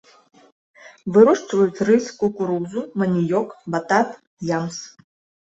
Вырошчваюць рыс, кукурузу, маніёк, батат, ямс.